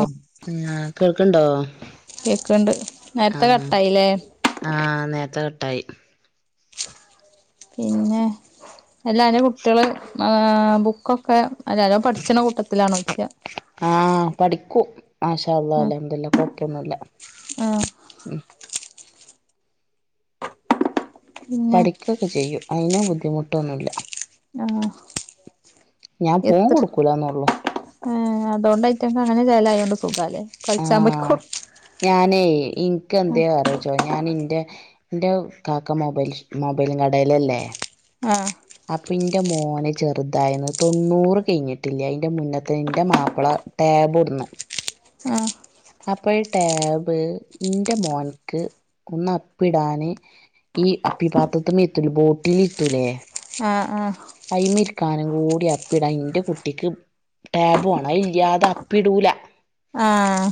ഓ കേൾക്കണ്ടോ കേക്ക്ണ്ട് നേരത്തെ ആഹ കട്ടായില്ലേ ആഹ നേരത്തെ കട്ടായി പിന്നെ എല്ലാ അന്റെ കുട്ടികള് ആ ബുക്കൊക്കെ അരാരോ പഠിച്ചണ കൂട്ടത്തിലാണോ ഉച്ചയ മാഷാഅല്ലാഹ്‌ അൽഹംദുലില്ലാഹ് ഇപ്പോ കൊയപ്പൊന്നുല്ല ആഹ് പിന്നെ പഠിക്കുകയൊക്കെ ചെയ്യും അതിനു ബുദ്ധിമുട്ടൊന്നുമില്ല ആഹ ഞാൻ പോൻ കൊടുക്കൂലന്ന ഉള്ളു ഏ അതുകൊണ്ട് ഏറ്റൊക്ക അങ്ങനെ ചിലായതോണ്ട് സുഖാലല് ആഹ ഞാനേ ഇനക്ക്െന്ത പറച്ചോ ഞാൻിറെ എന്റെ കാക്ക മൊബൈൽ മൊബൈലും കടലല്ലേ ആഹ് അപ്പൊ എന്റെ മോനെ ചെറുതായിന്ന് തൊണ്ണൂറ് കഴിഞ്ഞിട്ടില്ല അറെ മുന്നത്തെ എന്റെ മാപ്പിള ടാബ് ർന്ന് ആഹ അപ്പോൾ ടാബ് ഇന്റെ മോൻക്ക് ഒന്ന് അപ്പി ഇടാന് ഈ അപ്പിപാത്രത്തി എത്തൂല ബോട്ടിൽ എത്തൂലേ ആ ആ കൈമിരിക്കാനും കൂടി അപ്പിട ഇറെ കുട്ടിക്ക് ടാബു ആണ ഇല്ലാതെ അപ്പിടൂല ആഹ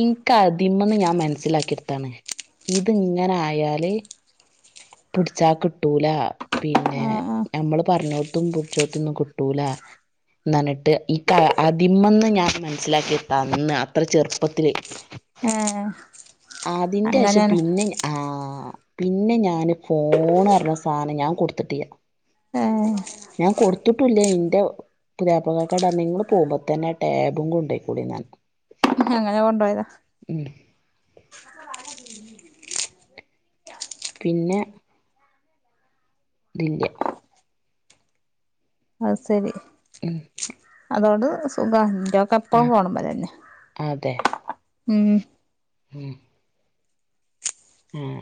ഇനക്ക്ാദ്യമന്ന് ഞാൻ മനസ്സിലാക്കിയടുത്താണ് ഇത് ഇങ്ങനെ ആായല് പിടിച്ചാ കിട്ടൂല പിന്നെ ആഹ് ആഹ് നമ്മള് പറഞ്ഞോടത്തും പിടിച്ചടുത്തൊന്നും കിട്ടൂല എന്നിട്ട് ഈ ക അതിമ്മന്ന് ഞാൻ മനസ്സിലാക്കി എത്താം അന്ന് അത്ര ചെറുപ്പത്തില് ഏഹ് അതിന്റെ ആശം അങ്ങനെയാണ് പിന്നെ ആഹ പിന്നെ ഞാന് ഫോൺറിഞ്ഞ സാധനം ഞാൻ കൊടുത്തിട്ടിയ ഏഹ് ഞാൻ കൊടുത്തിട്ടില്ലേ നിന്റെ പുതിയാപകക്കെ ഇടങ്ങൾ പോകുമ്പോ തന്നെ ആ ടാബും കൊണ്ടോയിക്കൂടിന്നാൻ അങ്ങനെ കൊണ്ട പോോയതാ പിന്നെ ഇല്യ അഹ ശരി ഉം അതോട് സുഖന്റെൊക്കെ എപ്പഴും ആഹ് പോണ പോോലന്നെ അതെ ഉം ഉം ആം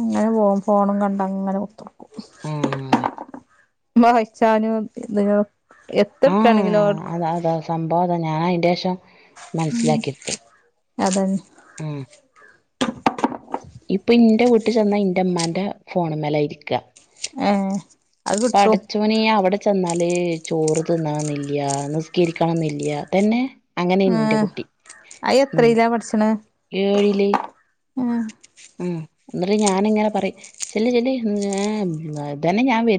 ഇങ്ങനെ പോ ഫോണും കണ്ട അങ്ങനെ കുത്തിക്കും ആഹ് വായിച്ചാനും ഇ എത്ര എടുക്കാണെങ്കിലോ അ ഞൻ അതിന്റെ ശേഷം മനസ്സിലാക്കിടുത്ത അതന്നെ ആ ഇപ്പൊ ഇന്റെ വീട്ടിൽ ചെന്ന ഇന്റെ അമ്ന്റെ ഫോണ് മേല ഇരിക്ക ആഹ പഠച്ചോ അവിടെ ന്നാല് ചോറ് തിന്ന എന്നില്ല നിസ്കീരിക്കണം എന്നില്ല തന്നെ അങ്ങനെയന്ന എറെ ഏഹ് കുട്ടി അയ് ഉം എത്രയിലാ പഠിച്ചണെ ഏഴിലേ ഏഹ് ഉം എന്നിട്ട് ഞാാനിങ്ങനെ പറയും ചെല്ലി ചെല്ലി ഇതന്നെ ഞാൻ െ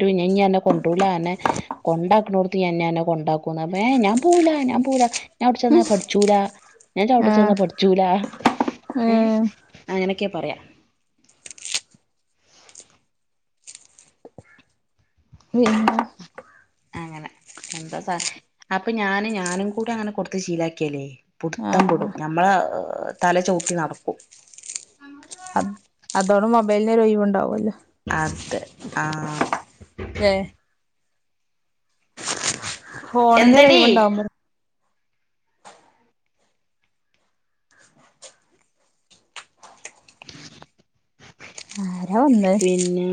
കൊണ്ടല എന്നെ കൊണ്ടാക്കണോടത്ത്െെ കൊണ്ടാക്ക അ ഞാൻ പോൂല ഞാ പോ ഞാൻ അവിടെ ചെന്ന പഠിച്ചൂല ഞാൻ ചവിട്ട ആഹ് ചെന്നാ പൊഠിച്ചൂല ഏ ഏഹ് അങ്ങനെയൊക്കെയ പറയാ [inaudible] പിന്നെ അങ്ങനെ എന്താ സ അപ്പൊ ഞൻ ഞാനും കൂടി അങ്ങനെ കൊടുത്ത് ശീലാക്കിയല്ലേ പടുത്തം ആഹ് പൊടും നമ്മള തല ചവിട്ടി നടക്കും അ അതോട മൊബൈലിന ഒരു ഒഴവ ഉണ്ടാവല്ലോ അതെ ആഹ [inaudible] എന്തടി ഹഓണന്നരൈവണ്ടാവുമ്പോ ആരാ വന്നേ പിന്നെ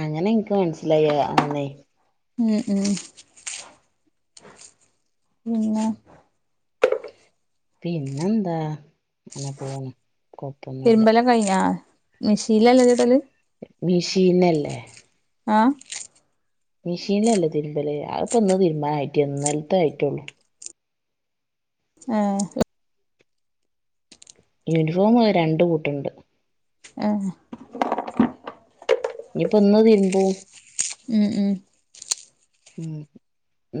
അങ്ങനെ എനിക്ക് മനസിലായി അന്നേ ഉം ഉം പിന്നെ പിന്നെന്താ അനെ പോണം പെരുമ്പലല്ലാം കഴ ആ മെഷീലല്ല ചട്ടല് മഷീനല്ലേ ആഏ മെഷീനിലല്ലേ തിരുമ്പല് അപ്പൊന്ന് തീരുമാന ആയിട്ടലത്ത ആയിട്ടള്ളു ആഹ യൂണിഫോം രണ്ട കൂട്ടുണ്ട് അ ഇനിപ്പോ ഇന്ന് തീരുബു ഉം ഉം ഉം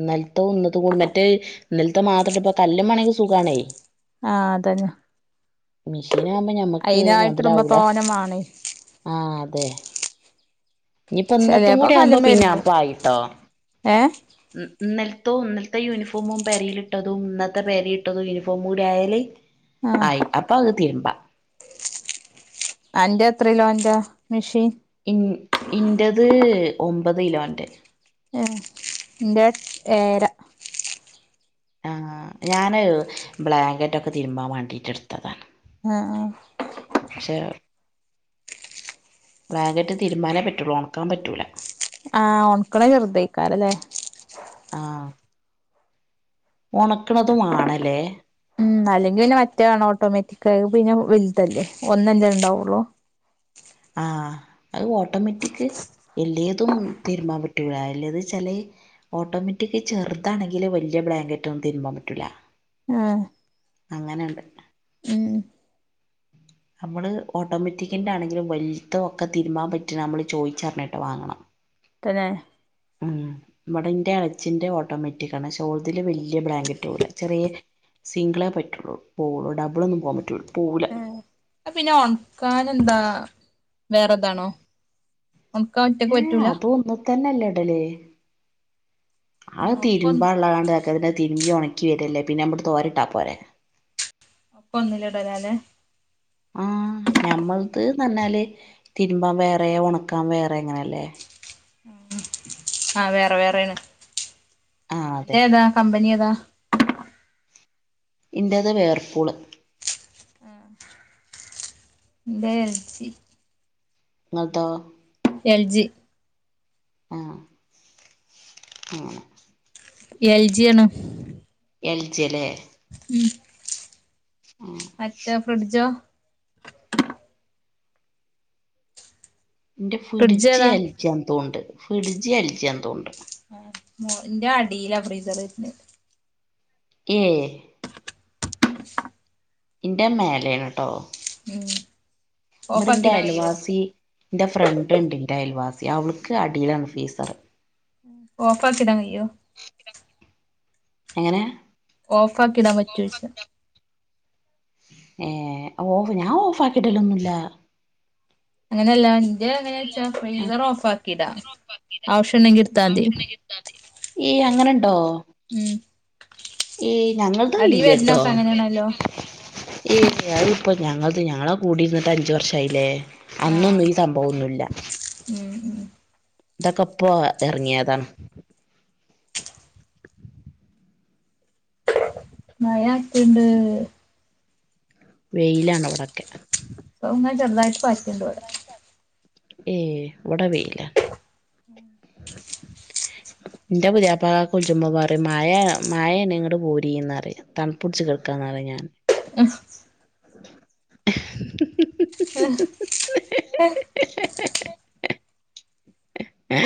നൽത്ത ഒന്ന കൂ മറ്റേ നിലത്തെ മാത്രം ഇപ്പ കല്ലല് മണങ്കക്ക് സുഖമാണ അ അതന്ന മെഷീൻ ആകുമ്പോ ഞമ്മുക്ക് മുതലാവൂല തോനെ മാണേ ആഹ അതെ ഇനിപ്പോ ഇന്നത്തും ചെലേപ്പം കൂടി ആവുമ്പോ കല്ലുമ്മേ പിന്നെ ഇരുമ്പും അപ്പായിട്ടോ ഏ ഇപ്പോ ഇന്നത്തെ യൂണിഫോമും പരൽട്ടതും ഇന്നത്തെ പേര ഇട്ടതും യൂണിഫോമും കൂടി ആയാല് ആഹ് ആയി അപ്പൊ അപഹ് തീർമ്പ അന്റെ എത്രല്ലോ എന്റെ മെഷീൻ ഇ ഇറത് ഒമ്പത് കിലോന്റെ എന്റെ ഏര ആ ഞാന് ബ്ലാങ്കറ്റ് ഒക്കെ തിരുമ്പാൻ വേണ്ടീട്ട എടുത്തതാണ് ആഹ ശ ബറാങ്കറ്റ് തീരുമാനേ പറ്റുള്ളൂ ഉണക്കാൻ പറ്റൂല ആഹ ഓണക്കള ശെറുധിക്കാരല്ലേ ആഹ ഉണക്കണതുമാണല്ലേ ഉം അല്ലെങ്കിൽ പിന്നെ മറ്റേ വണം ഓട്ടോമാറ്റിക് ആ പിന്നെ വലുതല്ലേ ഒന്നെല്ല ഉണ്ടാവുള്ളൂ ആഹ അത് ഓട്ടോമാറ്റിക് എല്ലതും തീരുമാൻ പറ്റൂല അല്ലത് ചില ഓട്ടോമാറ്റിക് ചെറുതാണെങ്കില് വല്ല്യ ബ്ലാങ്കറ്റ് ഒന്നും തിരുമ്പാൻ പറ്റില്ല ആ അങ്ങനെയുണ്ട് നമ്മള് ഓട്ടോമാറ്റിക്കിന്റെ ആണെങ്കിലും വലുത ഒക്കെ തിരുമാൻ പറ്റി നമ്മള് ചോയിച്ചറിഞ്ഞേട്ടെ വാങ്ങണം തന്നെ ഉം നമ്മടെന്റെ അലച്ചിന്റെ ഓട്ടോമാറ്റിക് ആണ് ഷോൾഡില് വലിയ ബ്ലാങ്കറ്റ് പോല ചെറിയ സിംഗിളേ പറ്റുള്ളൂ പോവുള്ളൂ ഡബിൾ ഒന്നും പോകാൻ പറ്റൂല പോവൂല്ല പിന്നെ ഉണക്കൻ എന്താ വേറെതാണോ നമുക്ക് ഒറ്റക്ക് ഏഹ് പറ്റൂല അതും ഒന്ന് തന്നെല്ലേ ഉടല് ആ ആഹ് ഒക്കെ ഒന്ന് തിരുമ്പാ ഉള്ളതണ്ട്ക്കതിന്റെ തിരുമ്പി ഉണ നക്കി വല്ലേ പിന്നെ നമ്മ തോരിട്ടാ പോരെ അപ്പ ഒന്നില്ലടരാലെ ആ ഞമ്മൾത് നന്നാല് തിന്മ്പൻ വേറെ ഉണക്കാൻ വേറെ എങ്ങനെയല്ലേ ആ വേറെ വേറൊണ് ആഹ് അതെ എന്റെ താ കമ്പനി [unintelligible] ഇന്റേത് വേർപ്പൂള് എന്റെ എൽസി നിങ്ങതോ എൽജി ആഹ അങ്ങനെ എൽജിയാണ് എൽജിയാലെ മം മറ്റേ ഫ്രിഡ്ജോ എന്റെ ഫ്രിഡ്ജ് എൽജിയാന്ന് തോണ്ട് എന്റെ ഫ്രിഡ്ജ് എൽജിയാന്ന് തോണ്ട് മ എന്റെ അടിലാ ഫ്രീസറന് ഏ എന്റെ മേലാണ് കേട്ടോ ഓഫ് നമ്മടെന്റെ ആക്കിടാൻ കഴിയോ അയലവാസി എന്റെ ഫ്രണ്ട് ഉണ്ട്ന്റെ അയൽവാസി അവൾക്ക് അടിയിലാണ് ഫീസറ് ഓഫാക്കിടാൻ കഴിയോ എങ്ങനെ ഓഫ് ആക്കിടാൻ പറ്റോന്ന് ചോദിച്ച ഏ ഓഫ് ഞാൻ ഓഫ് ആക്കിട ലൊന്നുല്ല അങ്ങനെല്ലാ എന്റെ എങ്ങനന്നു വെച്ച ഫ്രീസർ ഓഫ് ആക്കിടാ ആവശ്യം ഉണ്ടെകി എടുത്തമതി ഏയ് അങ്ങനെണ്ടോ ഉം ഏ ഞങ്ങത് അടി ഇല്ലട്ടോ വരുന്നൊക്കെ അങ്ങനെയാണല്ലോ ഏ അത് ഇപ്പോം ഞങ്ങൾ ഞങ്ങളെ കൂടിയിരുന്നിട്ട് അഞ്ച് വർഷായില്ലേ അന്നൊന്നും ആഹ് ഈ സംഭവൊന്നും ല്ല ഉം ഉം ഇതൊക്കെപ്പ എറങ്ങിയതാണ് മഴാറ്റ്ണ്ട് വെയിലാണ് ഇവിടൊക്കെ ങ്ങനെ ചെറുതായിട്ട് പറ്റിണ്ട് ഇവടെ ഏ വടെ വെയില ഉം ഉ എന്റെ പുതിയപ്പെ വിളിച്ചുമ്പോ പറയും മായ മായാണ് നിങ്ങട് പോരിന്ന്റ തണുപടച്ച് കേൾക്കന്ന് ഞാൻ ആ ആഹ ആ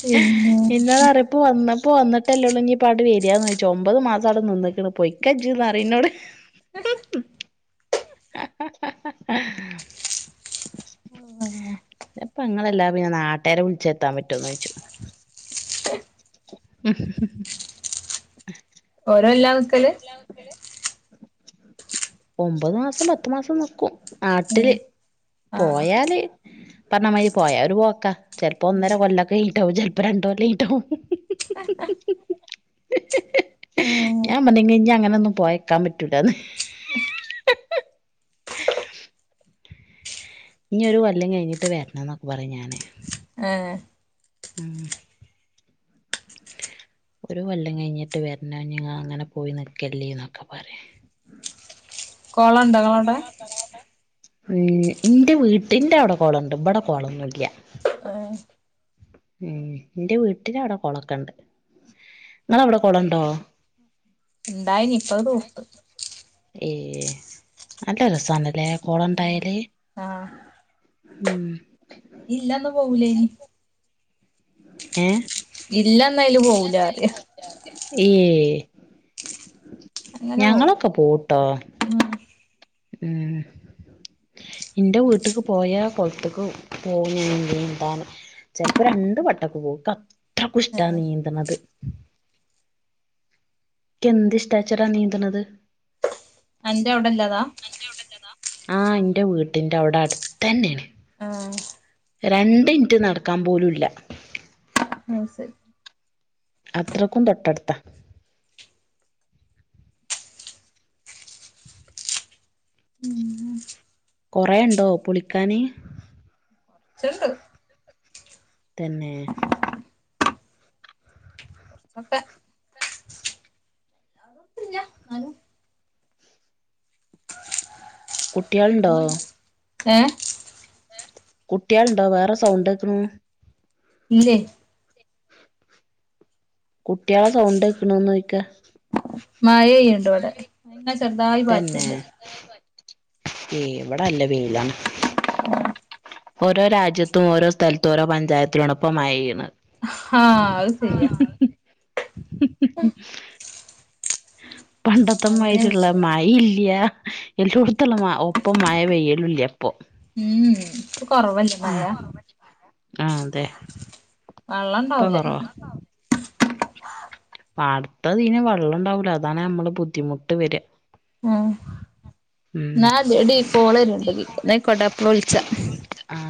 പിന്നെ എന്നന്താണ് അറിയപ്പോ വന്ന ഇപ്പൊ വിട്ടല്ലേോൂ ഇീ ഇപ്പ അവിടെ വരിയായന്ന് ചോദിച്ച ഒമ്പത് മാസം അവിടെ നിന്നക്ക പോയിക്കന്ന്റനോട് പ്പ ഇങ്ങല്ലാ പിന്നെ നാട്ടേരെ വിളിച്ചെത്താൻ പറ്റോന്ന് ചോദിച്ചു ഉ ല്ല നിക്കല് ഒമ്പത് മാസം പത്തു മാസം നിക്കും ഉം നാട്ടില് ആഹ് പോയാല് പറഞ്ഞാ മതി പോയവര് പോക്കാ ചിലപ്പോ ഒന്നര കൊല്ലംക്കെ കഴിഞ്ഞിട്ട വും ചിലപ്പോ രണ്ട കൊല്ലം ഞ്ഞിട്ടാവും ആഹ് ഞാൻ പറെങ്ക ഇനി അങ്ങനെ ഒന്നും പോയക്കാൻ പറ്റൂലന്ന് ഇഞ് ഒരു കൊല്ലം കഴിഞ്ഞിട്ട് വരണംന്നൊക്കെ പറ ഞാന് ഏഹ് ഉ ഉ ഒരു കൊല്ലം കഴിഞ്ഞിട്ട് വരുന്നങ്ങ അങ്ങനെ പോയി നക്കല്ലേന്നൊക്കെ പറയും കോളണ്ടോങ്കളടെ ഉ ഇന്റെ വീട്ടന്റെ അവിടെ കോളുണ്ട് ഇവിടെ കോളം നുല്ല ആഹ് ഉം ഇന്റെ വീട്ടില അവിടെ കൊളക്കണ്ട് നിങ്ങള അവിടെ കൊളണ്ടോ ഉണ്ടായിനി ഇപ്പ തൂർത് ഏ നല്ല രസണ്ലെ ഉ ആഹ ഉം പോവൂലേനി ഏ ഇല്ലാന്നായ്ല് പോവുല അറ്യ ഏഹ് അങ്ങനെ പോവൂല ഞങ്ങളൊക്കെ പോഉട്ടോ ഉം ഇന്റെ വീട്ട്ക്ക് പോയ കൊള്ത്ത്ക്ക് പോഉം നീ നീന്താന് ചെല്പം രണ്ടു വടൊക്കെ പോവും അത്രക്കു ഷ്ടാ ആഹ് നീന്ത്ണത് എന്ത് ഇഷ്ടാച്ചറാ നീന്ത്ണത് അന്റൗടെല്ലതാ ആഹ് ഇന്റ വീട്ടിന്റെ ഔടെ അട്ത്തെ ന്നേണ് ആഹ് രണ്ടിൻറ്റ് നടക്കാ പോലുല്ല ഉം സരി അത്രയ്ക്കും തൊട്ടട്ത്ത കൊറേഉണ്ടോ പുളിക്കാന് ച്ച്ണ്ട് തന്നെ കൊറച്ചൊക്കെ ഇല്ല ന്നാലും കുട്ട്യേള്ണ്ടോ ഇടുമ്മണ്ട് ഏഹ് കുട്ട്യേള്ണ്ടോ വേറെ സൗണ്ട് കേക്കുണു ഇല്ലേ കുട്ട്യേളെ സൗണ്ട് കേക്കുണുന്ന് ചോയ് ക്കാ മഴയ്യ്ണ്ട് വടെ ഇങ്ങാ ചെറുതായി പാറ്റ്ണ്ട് ഏയ് ഇവടല്ല വെയിലാണ് ഓരോ രാജ്യത്തും ഓരോ സ്ഥലത്തും ഓരോ പഞ്ചായത്തിലും ആണ് ഇപ്പമഴ പെയ്യുണത് ആഹ് അത് സര്യയ ഹ് ഹ് ഹ് അങ്ങനെ പണ്ടത്തമായിരിള്ള വീണ് മയില്ല എല്ലോട്തുള്ള മാ ഒപ്പം മയ പെയ്യലൂല്യ ഇപ്പോ ഉം ഉം ഇപ്പ കൊറവല്ലേ മയ ആ അതെ വള്ളം ഇപ്പൊ ഉണ്ടാവൂല ഇഞ് പാടത്ത് അതിന് വള്ളം ഇണ്ടാവൂല അതാണ് നമ്മള് ബുദ്ധിമുട്ട് വര ഉം ന്നാടി കോള് വരുണ്ട് ഇതിക്ക് ഇന്നാ യിക്കോട്ടെ ഇപ്പൊ വിള്ച്ചാ ആ